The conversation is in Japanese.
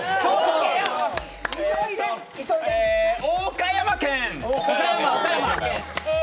岡山県。